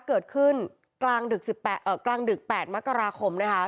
เกิดขึ้นกลางดึกสิบแปดเอ่อกลางดึกแปดมกราคมนะคะ